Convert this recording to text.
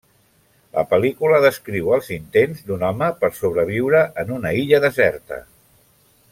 La pel·lícula descriu els intents d'un home per sobreviure en una illa deserta.